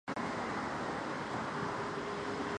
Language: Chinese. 此外担任中华海外联谊会第一届理事会名誉会长等。